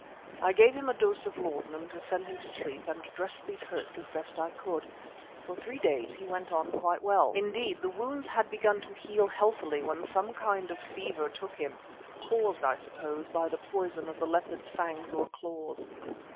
I gave him a dose of laudanum to send him to sleep and dressed these hurts as best I could. For three days he went on quite well. Indeed, the wounds had begun to heal healthily when suddenly some kind of fever took him, caused, I suppose, by the poison of the leopard's fangs or claws.